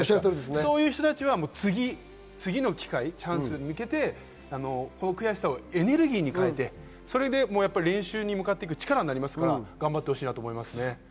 そういう人たちは次の機会に向けてこの悔しさをエネルギーに変えて、練習に向かっていく力になりますから頑張ってほしいなと思いますね。